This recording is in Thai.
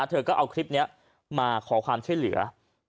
เธอก็เอาคลิปนี้มาขอความช่วยเหลือ